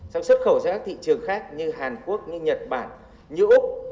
xong xuất khẩu sang các thị trường khác như hàn quốc như nhật bản như úc